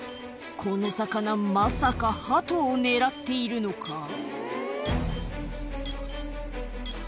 この魚まさかハトを狙っているのか？